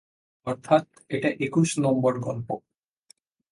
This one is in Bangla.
অর্থাৎ এটা একুশ নম্বর গল্প।